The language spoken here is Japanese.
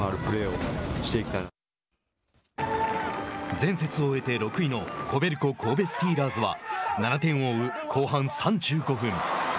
前節を終えて６位のコベルコ神戸スティーラーズは７点を追う後半３５分。